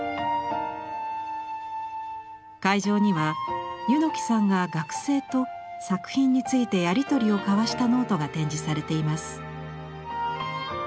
会場には柚木さんが学生と作品についてやり取りを交わしたノートが展示されています。